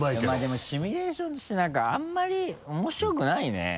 でもシミュレーションしてあんまり面白くないね。